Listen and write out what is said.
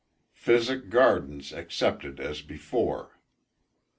"Physic gardens excepted as before."